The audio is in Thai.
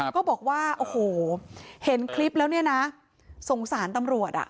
ก็บอกว่าโอ้โหเห็นคลิปแล้วเนี่ยนะสงสารตำรวจอ่ะ